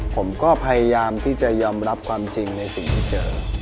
ผมก็พยายามที่จะยอมรับความจริงในสิ่งที่เจอ